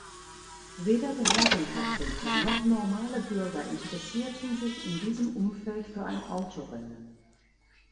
Weder Behördenvertreter noch normale Bürger interessierten sich in diesem Umfeld für ein Autorennen.